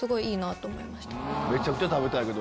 めちゃくちゃ食べたいけど。